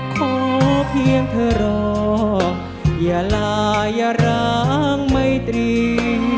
ขอเพียงเธอรออย่าลาอย่าร้างไม่ตรี